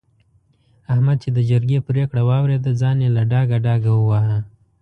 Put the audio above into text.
احمد چې د جرګې پرېکړه واورېده؛ ځان يې له ډاګه ډاګه وواهه.